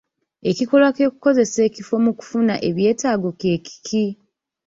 Ekikolwa ky'okukozesa ekifo mu kufuna eby'etaago kye ki?